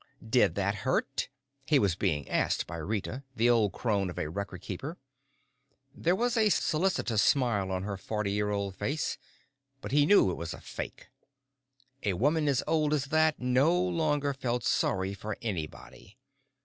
"Did that hurt?" he was being asked by Rita, the old crone of a Record Keeper. There was a solicitous smile on her forty year old face, but he knew it was a fake. A woman as old as that no longer felt sorry for anybody.